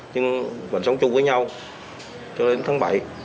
nhưng mình sống chung với nhau cho đến tháng bảy